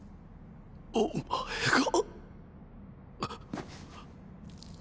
お前が。